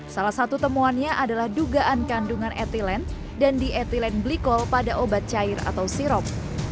salah satu temuannya adalah dugaan kandungan etilen dan dietilen glikol pada obat cair atau sirop